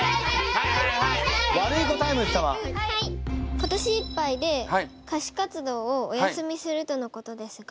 今年いっぱいで歌手活動をお休みするとのことですが。